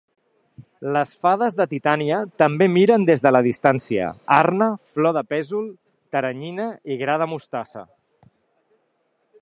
Les fades de Titània també miren des de la distància: Arna, Flor de Pèsol, Teranyina i Gra de Mostassa.